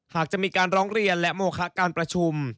หากจะมีการร้องเรียนและโมคะการประชุม